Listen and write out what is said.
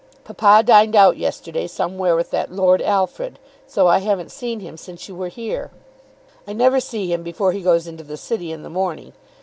Papa dined out yesterday somewhere with that Lord Alfred, so I haven't seen him since you were here. I never see him before he goes into the city in the morning.